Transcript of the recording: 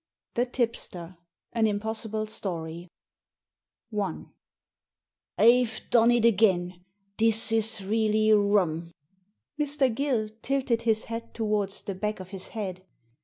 THE TIPSTER AN IMPOSSIBLE STORY " T 'VE done it again ! This is really rum !" X Mr. Gill tilted his hat towards the back of his head.